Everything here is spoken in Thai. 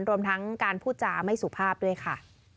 รวมทั้งการพูดจาไม่สุภาพด้วยค่ะ